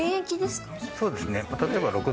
そうですね。